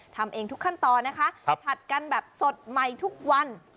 ทำเองทุกขั้นตอนนะคะผัดกันแบบสดใหม่ทุกวัน